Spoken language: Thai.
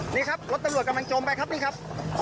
นี่ครับรถตำรวจกำลังจมไปครับนี่ครับ